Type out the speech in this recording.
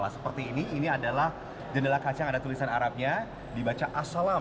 seperti ini ini adalah jendela kaca yang ada tulisan arabnya dibaca as salam